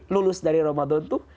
lulus dari ramadan itu